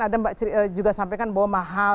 ada mbak juga sampaikan bahwa mahal